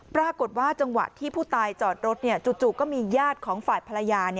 ปรากฏว่าจังหวะที่ผู้ตายจอดรถจู่ก็มีญาติของฝ่ายภรรยา